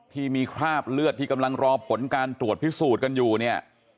ที่มีคราบเลือดที่กำลังรอผลการตรวจพิสูจน์กันอยู่เนี่ย